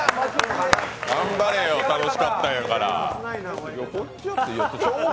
頑張れよ、楽しかったんやから。